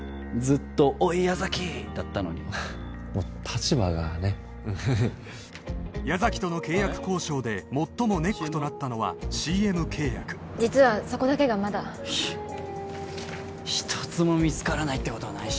ずっと「おい矢崎」だったのにもう立場がねっ矢崎との契約交渉で最もネックとなったのはＣＭ契約実はそこだけがまだ一つも見つからないってことはない